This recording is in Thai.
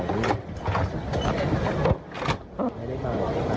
บอกว่าไม่ได้ความหวังค่ะ